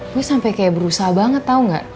gue sampai kayak berusaha banget tau gak